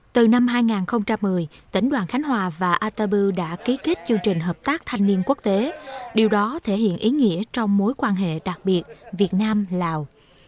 từ năm hai nghìn một mươi tỉnh đoàn khánh hòa và atabu đã ký kết chương trình hợp tác thanh niên quốc tế điều đó thể hiện ý nghĩa trong mối quan hệ đặc biệt việt nam lào